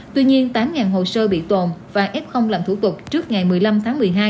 tuy nhiên tám hồ sơ bị tồn và f làm thủ tục trước ngày một mươi năm tháng một mươi hai